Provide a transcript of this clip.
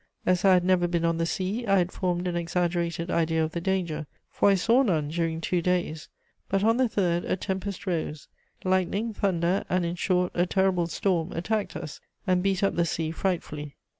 As I had never been on the sea, I had formed an exaggerated idea of the danger, for I saw none during two days. But, on the third, a tempest rose; lightning, thunder and, in short, a terrible storm attacked us and beat up the sea frightfully.